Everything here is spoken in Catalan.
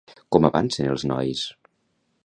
Com avançaven els nois?